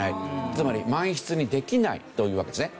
つまり満室にできないというわけですね。